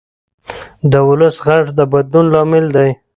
د ولس غږ د بدلون لامل دی